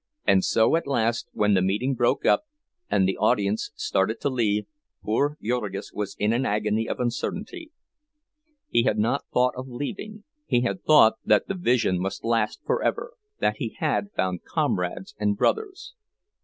And so, at last, when the meeting broke up, and the audience started to leave, poor Jurgis was in an agony of uncertainty. He had not thought of leaving—he had thought that the vision must last forever, that he had found comrades and brothers.